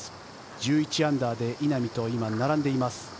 −１１で稲見と今、並んでいます。